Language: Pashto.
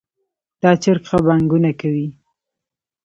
دا چرګ ښه بانګونه کوي